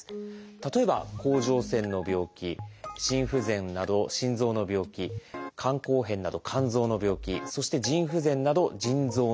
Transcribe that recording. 例えば甲状腺の病気心不全など心臓の病気肝硬変など肝臓の病気そして腎不全など腎臓の病気。